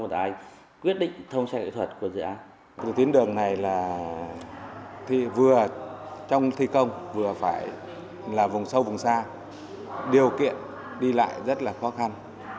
tuyến đường này là vừa trong thi công vừa phải là vùng sâu vùng xa điều kiện đi lại rất là khó khăn